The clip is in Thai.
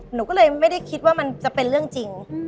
หนูก็เลยไม่ได้คิดว่ามันจะเป็นเรื่องจริง